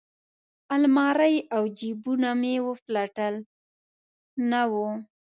المارۍ او جیبونه مې وپلټل نه وه.